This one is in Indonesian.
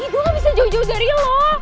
ibu gak bisa jauh jauh dari lo